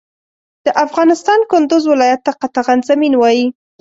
د افغانستان کندوز ولایت ته قطغن زمین وایی